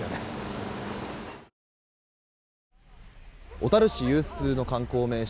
小樽市有数の観光名所